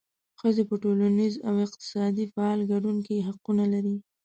ښځې په ټولنیز او اقتصادي فعال ګډون کې حقونه لري.